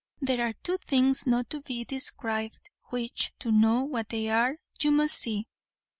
There are two things not to be described, which, to know what they are, you must see.